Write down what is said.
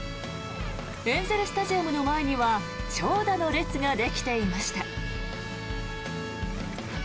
エンゼル・スタジアムの前には長蛇の列ができていました。